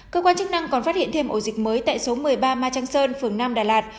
cơ quan chức năng còn phát hiện thêm ổ dịch mới tại số một mươi ba ma trang sơn phường năm đà lạt